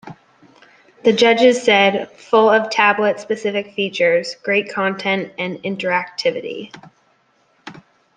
The judges said: Full of tablet specific features, great content and interactivity.